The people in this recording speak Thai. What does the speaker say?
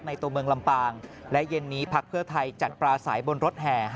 ตัวเมืองลำปางและเย็นนี้พักเพื่อไทยจัดปลาสายบนรถแห่